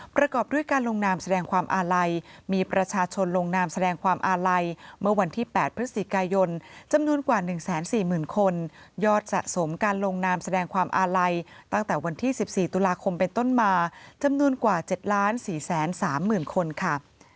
ประกอบด้วยการลงนามแสดงความอาลัยมีประชาชนลงนามแสดงความอาลัยเมื่อวันที่แปดพฤศจิกายนจำนวนกว่าหนึ่งแสนสี่หมื่นคนยอดสะสมการลงนามแสดงความอาลัยตั้งแต่วันที่สิบสี่ตุลาคมเป็นต้นมาจำนวนกว่าเจ็ดล้านสี่แสนสามหมื่นคนค่ะ